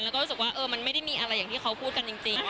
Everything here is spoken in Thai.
แล้วก็รู้สึกว่ามันไม่ได้มีอะไรอย่างที่เขาพูดกันจริง